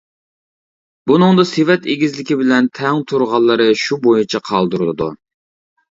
بۇنىڭدا سېۋەت ئېگىزلىكى بىلەن تەڭ تۇرغانلىرى شۇ بويىچە قالدۇرۇلىدۇ.